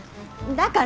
だから？